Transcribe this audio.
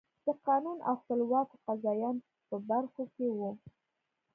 د قانون او خپلواکو قاضیانو په برخو کې وو.